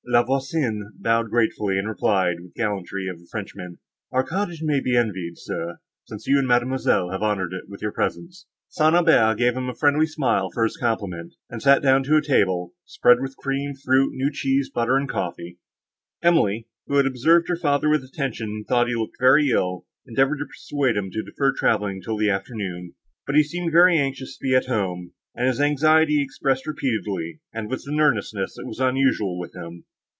La Voisin bowed gratefully, and replied, with the gallantry of a Frenchman, "Our cottage may be envied, sir, since you and Mademoiselle have honoured it with your presence." St. Aubert gave him a friendly smile for his compliment, and sat down to a table, spread with cream, fruit, new cheese, butter, and coffee. Emily, who had observed her father with attention and thought he looked very ill, endeavoured to persuade him to defer travelling till the afternoon; but he seemed very anxious to be at home, and his anxiety he expressed repeatedly, and with an earnestness that was unusual with him.